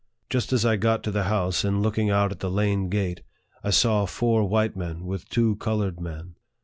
Just as I got to the house, in looking out at the lane gate, I saw four white men, with two colored men.